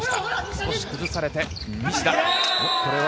少し崩されて西田。